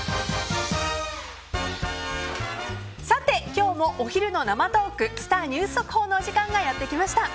今日もお昼の生トークスター☆ニュース速報のお時間がやってきました。